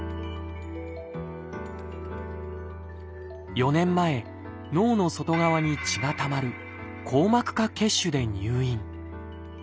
４年前脳の外側に血がたまる「硬膜下血腫」で入院。